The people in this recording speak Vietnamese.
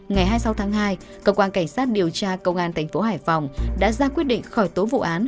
ngày hai mươi sáu tháng hai cơ quan cảnh sát điều tra công an thành phố hải phòng đã ra quyết định khỏi tố vụ án